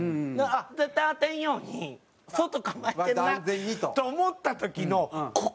絶対当てんように外構えてるなと思った時のここ。